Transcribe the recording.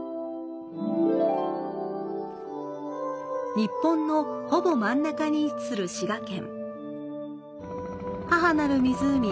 日本のほぼ真ん中に位置する滋賀県。